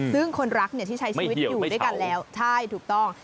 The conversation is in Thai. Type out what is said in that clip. ซึ่งคนรักที่ใช้ชีวิตอยู่ด้วยกันแล้วใช่ถูกต้อง